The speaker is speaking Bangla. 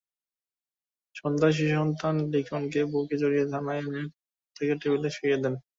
সন্ধ্যায় শিশুসন্তান লিখনকে বুকে জড়িয়ে থানায় এনে তাকে টেবিলে শুইয়ে দেন।